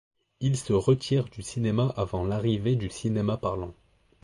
Il se retire du cinéma avant l'arrivée du cinéma parlant.